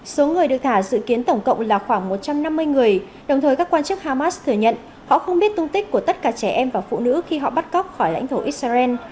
số người được thả dự kiến tổng cộng là khoảng một trăm năm mươi người đồng thời các quan chức hamas thừa nhận họ không biết tung tích của tất cả trẻ em và phụ nữ khi họ bắt cóc khỏi lãnh thổ israel